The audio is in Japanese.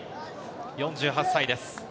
４８歳です。